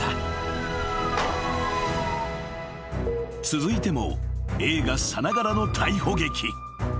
［続いても映画さながらの逮捕劇］